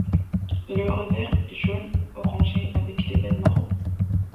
Le revers est jaune orangé avec les veines marron.